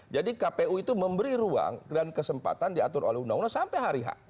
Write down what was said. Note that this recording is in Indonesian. jadi kpu itu memberi ruang dan kesempatan diatur oleh undang undang sampai hari h